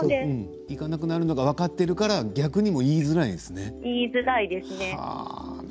行かなくなるのが分かっているから逆に言いづらいですね。